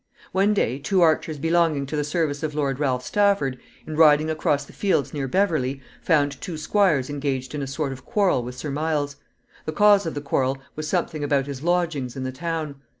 One day, two archers belonging to the service of Lord Ralph Stafford, in riding across the fields near Beverley, found two squires engaged in a sort of quarrel with Sir Miles. The cause of the quarrel was something about his lodgings in the town.